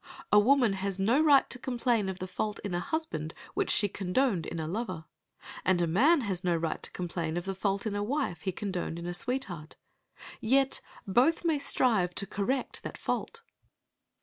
A woman has no right to complain of the fault in a husband which she condoned in a lover. And a man has no right to complain of the fault in a wife he condoned in a sweetheart. Yet both may strive to correct that fault.